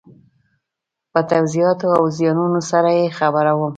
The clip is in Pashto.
په توضیحاتو او زیاتونو سره یې خپروم.